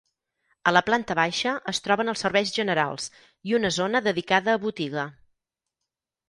A la planta baixa es troben els serveis generals i una zona dedicada a botiga.